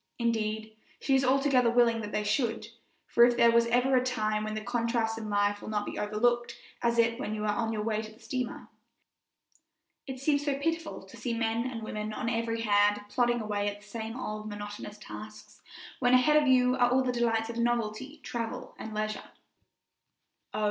Indeed, she is altogether willing that they should, for if there is ever a time when the contrasts in life will not be overlooked it is when you are on your way to the steamer. It seems so pitiful to see men and women on every hand plodding away at the same old, monotonous tasks, when ahead of you are all the delights of novelty, travel, and leisure. Oh!